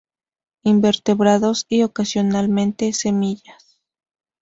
Invertebrados y ocasionalmente semillas.